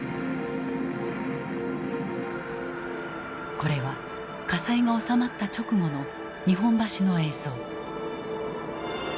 これは火災が収まった直後の日本橋の映像。